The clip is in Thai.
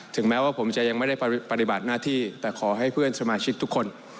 แม้ว่าผมจะยังไม่ได้ปฏิบัติหน้าที่แต่ขอให้เพื่อนสมาชิกทุกคน